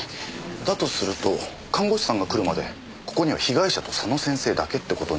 だとすると看護師さんが来るまでここには被害者と佐野先生だけってことになりますけど。